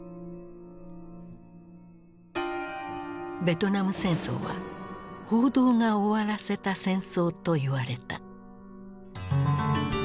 ベトナム戦争は「報道が終わらせた戦争」といわれた。